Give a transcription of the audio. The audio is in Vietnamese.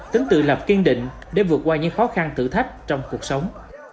tính tự lập kiên định để vượt qua những khó khăn thử thách trong cuộc sống